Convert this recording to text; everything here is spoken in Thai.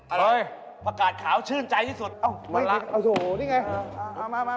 อะไรพระกาศขาวชื่นใจที่สุดหมดแล้วเอาที่นี่ไงมา